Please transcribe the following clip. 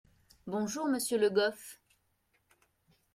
Bonjour monsieur Le Goff.